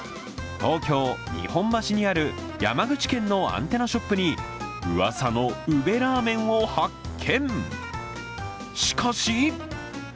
東京・日本橋にある山口県のアンテナショップにうわさの宇部ラーメンを発見。